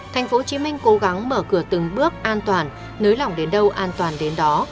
tp hcm cố gắng mở cửa từng bước an toàn nới lỏng đến đâu an toàn đến đó